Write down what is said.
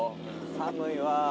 寒いわぁ。